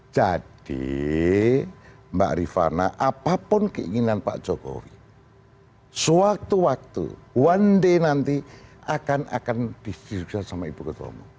jadi mbak rifana apapun keinginan pak jokowi suatu waktu one day nanti akan akan disiksa sama ibu ketua umum